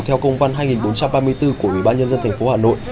theo công văn hai nghìn bốn trăm ba mươi bốn của ủy ban nhân dân thành phố hà nội